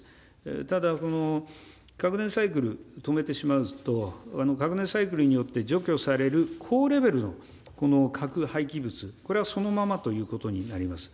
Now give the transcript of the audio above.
ただ、核燃料サイクルを止めてしまうと、核燃料サイクルによって除去される高レベルのこの核廃棄物、これはそのままということになります。